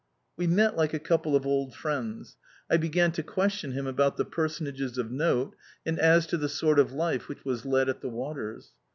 We met like a couple of old friends. I began to question him about the personages of note and as to the sort of life which was led at the waters.